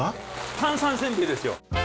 炭酸せんべいですよ。